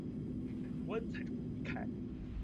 或是会在棺材中离开。